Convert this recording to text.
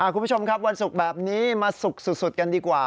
คุณผู้ชมครับวันศุกร์แบบนี้มาสุกสุดกันดีกว่า